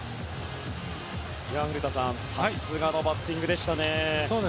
古田さん、さすがのバッティングでしたね。